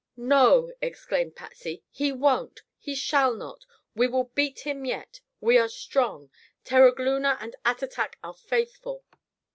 "No!" exclaimed Patsy, "He won't! He shall not! We will beat him yet. We are strong. Terogloona and Attatak are faithful.